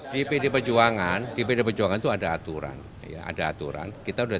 di pd pejuangan di pd pejuangan itu ada aturan kita sudah terikat pada aturan